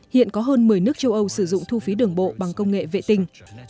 hiện có hơn một mươi nước châu âu sử dụng thu phí đường bộ bằng công nghệ vệ tinh